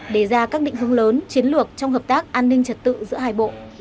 để ra các định hướng lớn chiến lược trong hợp tác an ninh trật tự giữa hai bộ